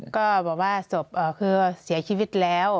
ก็บอกว่าศพคือเสียชีวิตแล้ว